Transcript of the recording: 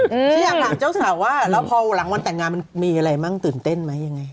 ที่อยากถามเจ้าสาวว่าแล้วพอหลังวันแต่งงานมันมีอะไรมั่งตื่นเต้นไหมยังไง